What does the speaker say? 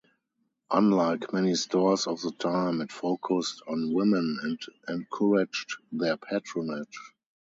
Unlike many stores of the time it focused on women and encouraged their patronage.